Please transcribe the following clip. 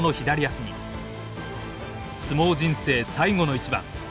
相撲人生最後の一番。